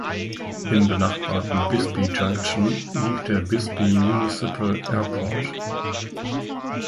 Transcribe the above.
Im benachbarten Bisbee Junction liegt der Bisbee Municipal Airport.